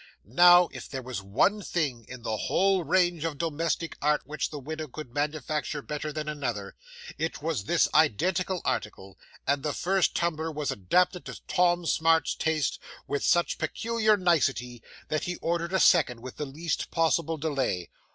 Now, if there was one thing in the whole range of domestic art, which the widow could manufacture better than another, it was this identical article; and the first tumbler was adapted to Tom Smart's taste with such peculiar nicety, that he ordered a second with the least possible delay.